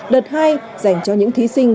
đợt hai dành cho những thí sinh